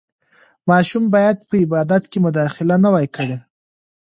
ماشوم باید په عبادت کې مداخله نه وای کړې.